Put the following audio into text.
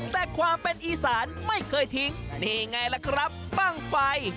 แต่ความเป็นอีสานไม่เคยทิ้งนี่ไงล่ะครับบ้างไฟ